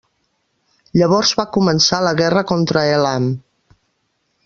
Llavors va començar la guerra contra Elam.